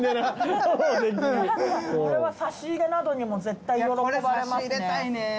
これは差し入れなどにも絶対喜ばれますね。